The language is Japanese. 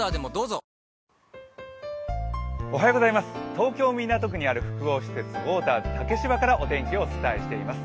東京・港区にある複合施設、ウォーターズ竹芝からお伝えしています。